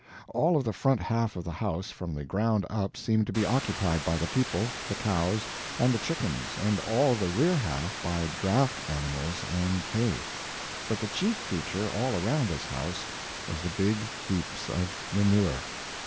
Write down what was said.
All of the front half of the house from the ground up seemed to be occupied by the people, the cows, and the chickens, and all the rear half by draught animals and hay. But the chief feature, all around this house, was the big heaps of manure.